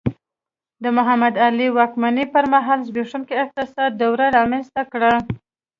د محمد علي واکمنۍ پر مهال زبېښونکي اقتصاد دوره رامنځته کړه.